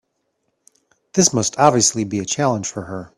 This must obviously be a challenge for her.